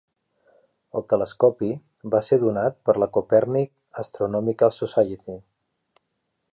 El telescopi va ser donat per la Kopernik Astronomical Society.